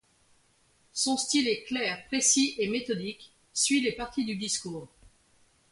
Son style est clair, précis et méthodique, suit les parties du discours.